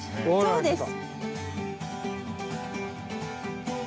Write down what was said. そうです。